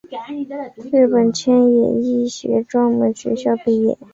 日本千叶医学专门学校毕业。